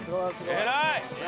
偉い！